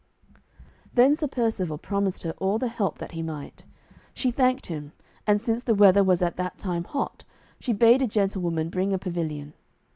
Then Sir Percivale promised her all the help that he might. She thanked him, and since the weather was at that time hot, she bade a gentlewoman bring a pavilion.